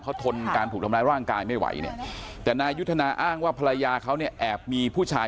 เขาทนการถูกทำร้ายร่างกายไม่ไหวเนี่ยแต่นายยุทธนาอ้างว่าภรรยาเขาเนี่ยแอบมีผู้ชาย